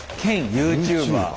ユーチューバー。